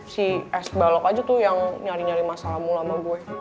si es balok aja tuh yang nyari nyari masalah mula ama gue